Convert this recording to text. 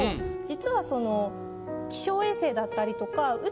実はその気象衛星だったりとか。